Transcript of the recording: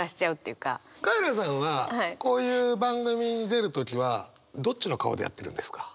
カエラさんはこういう番組に出る時はどっちの顔でやってるんですか？